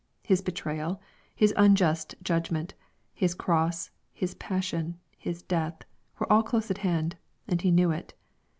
His betrayal, His un just judgment, His cross. His passion, His death, were all close at hand ; and He knew it.